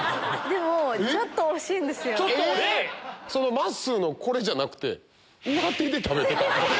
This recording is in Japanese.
まっすーのこれじゃなくてうわてで食べてた？